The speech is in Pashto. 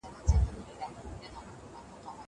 زه هره ورځ د ښوونځی لپاره امادګي نيسم!